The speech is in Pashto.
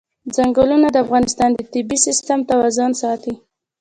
ځنګلونه د افغانستان د طبعي سیسټم توازن ساتي.